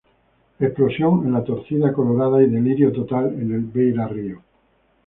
Explosión en la "torcida colorada" y delirio total en el Beira-Río.